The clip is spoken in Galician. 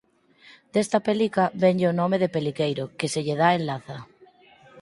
Desta pelica venlle o nome de peliqueiro que se lle dá en Laza.